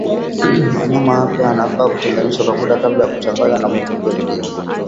Wanyama wapya wanafaa kutenganishwa kwa muda kabla ya kuchanganywa na mifugo wengine